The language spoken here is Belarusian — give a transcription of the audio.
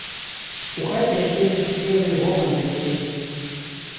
У хаце вясельныя спевы і гоман гасцей.